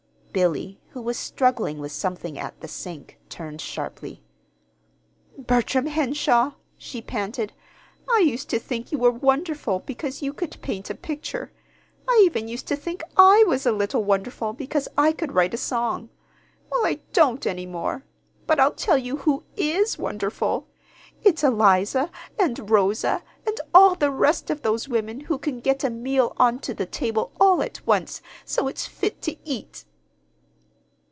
Billy, who was struggling with something at the sink, turned sharply. "Bertram Henshaw," she panted, "I used to think you were wonderful because you could paint a picture. I even used to think I was a little wonderful because I could write a song. Well, I don't any more! But I'll tell you who is wonderful. It's Eliza and Rosa, and all the rest of those women who can get a meal on to the table all at once, so it's fit to eat!"